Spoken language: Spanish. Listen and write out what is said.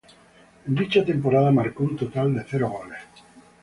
En dicha temporada marcó un total de cero goles.